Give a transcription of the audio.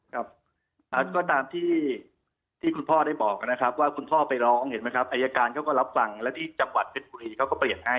ครับก็ตามที่คุณพ่อได้บอกนะครับว่าคุณพ่อไปร้องเห็นไหมครับอายการเขาก็รับฟังและที่จังหวัดเพชรบุรีเขาก็เปลี่ยนให้